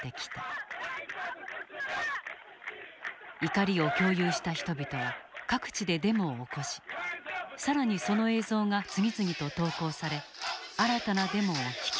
怒りを共有した人々は各地でデモを起こし更にその映像が次々と投稿され新たなデモを引き起こした。